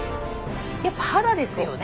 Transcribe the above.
やっぱ肌ですよね。